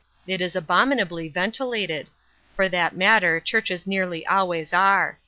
It is abominably ventilated ; for that matter churches nearly always are.